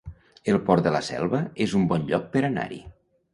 El Port de la Selva es un bon lloc per anar-hi